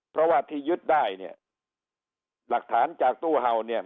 เพราะว่าที่ยึดได้เนี่ยหลักฐานจากตู้เห่าเนี่ย